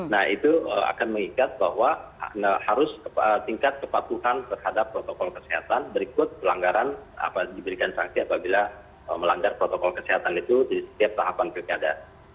nah itu akan mengikat bahwa harus tingkat kepatuhan terhadap protokol kesehatan berikut pelanggaran diberikan sanksi apabila melanggar protokol kesehatan itu di setiap tahapan pilkada